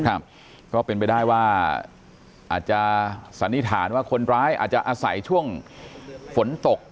ก็เป็นไปได้ว่าอาจจะสันนิษฐานว่าคนร้ายอาจจะอาศัยช่วงฝนตก